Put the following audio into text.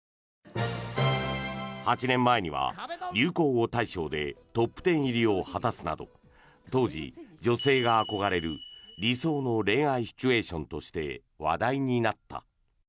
８年前には流行語大賞でトップ１０入りを果たすなど当時、女性が憧れる理想の恋愛シチュエーションとして話題になった。